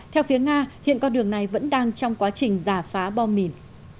theo phía nga hiện con đường này vẫn đang trong quá trình giả phá bom mìn